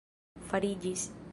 fariĝis